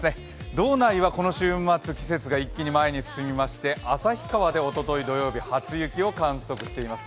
道内はこの週末、季節が一気に前に進みまして、旭川でおととい土曜日、初雪を観測しています。